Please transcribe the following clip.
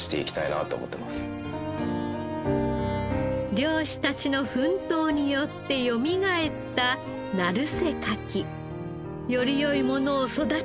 漁師たちの奮闘によってよみがえった鳴瀬かき。より良いものを育てたい。